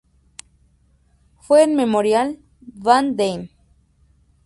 Fue en el Memorial Van Damme.